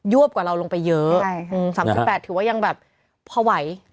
ยวบกว่าเราลงไปเยอะ๓๘คือยังพอไห่